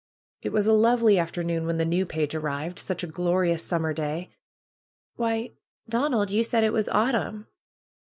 It was a lovely aft ernoon when the new page arrived! Such a glorious summer day!" "Why, Donald, you said it was autumn!"